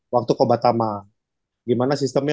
waktu kobatama gimana sistemnya